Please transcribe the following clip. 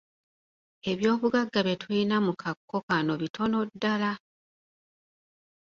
Ebyobugagga bye tulina mu kaco kano bitono ddala.